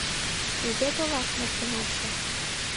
Кузе толаш моштенатше?